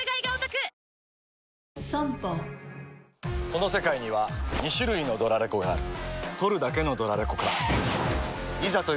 この世界には２種類のドラレコがある録るだけのドラレコか・ガシャン！